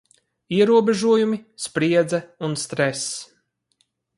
Ierobežojumi, spriedze un stress.